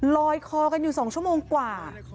ลอยคอกันอยู่๒ชั่วโมงกว่า